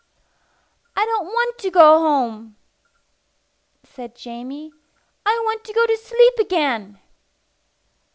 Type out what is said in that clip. "I don't want to go home," said Jamie. "I want to go to sleep again."